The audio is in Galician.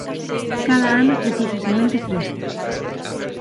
Cada ano precisa semente fresca.